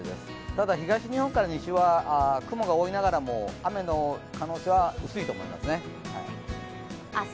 ただ東日本から西は雲が多いながらも雨の可能性は薄いと思いますね。